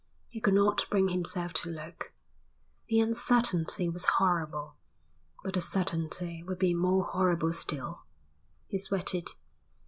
He could not bring himself to look. The uncertainty was horrible, but the certainty would be more horrible still. He sweated.